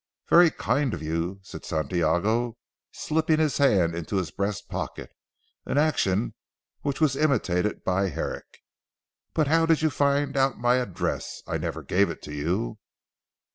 "Very kind of you," said Santiago slipping his hand into his breast pocket, an action which was imitated by Herrick, "but how did you find out my address? I never gave it to you."